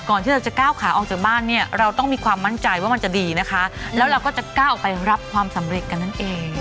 ที่เราจะก้าวขาออกจากบ้านเนี่ยเราต้องมีความมั่นใจว่ามันจะดีนะคะแล้วเราก็จะก้าวออกไปรับความสำเร็จกันนั่นเอง